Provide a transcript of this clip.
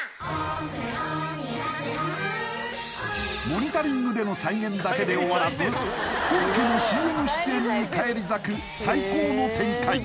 モニタリングでの再現だけで終わらず本家のＣＭ出演に返り咲く最高の展開